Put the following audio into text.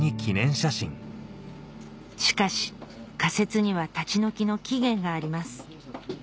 しかし仮設には立ち退きの期限があります